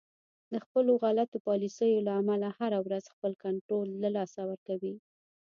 د خپلو غلطو پالیسیو له امله هر ورځ خپل کنترول د لاسه ورکوي